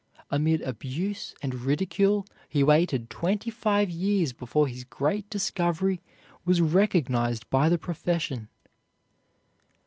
Amid abuse and ridicule he waited twenty five years before his great discovery was recognized by the profession.